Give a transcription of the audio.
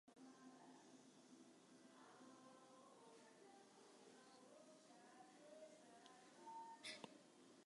De boargemaster docht in oprop om net sa gau lilk te wurden.